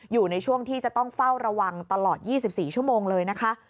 อยู่ในช่วงที่จะต้องเฝ้าระวังตลอด๒๔ชั่วโมงเลยนะคะ